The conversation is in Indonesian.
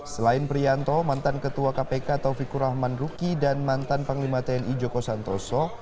selain prianto mantan ketua kpk taufikur rahman ruki dan mantan panglima tni joko santoso